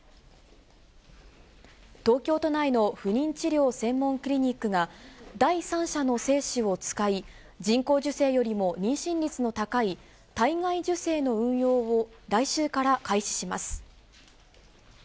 東京都内の不妊治療専門クリニックが、第三者の精子を使い、人工授精よりも妊娠率の高い、体外受精の運用を来週から開始します。